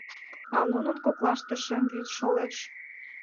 А нунын коклаште шем вӱд шолеш.